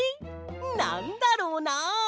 なんだろうな。